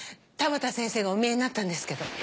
田端先生がお見えになったんですけど。